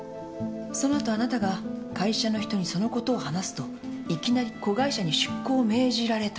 そのあとあなたが会社の人にそのことを話すといきなり子会社に出向を命じられた。